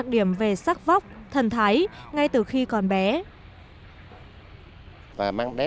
đặc điểm về sắc vóc thần thái ngay từ khi còn bé